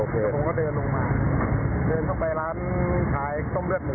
ผมก็เดินลงมาเดินเข้าไปร้านขายต้มเลือดหมู